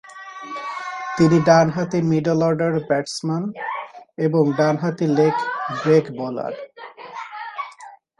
তিনি ডানহাতি middle order batsman এবং ডানহাতি লেগ ব্রেক বোলার।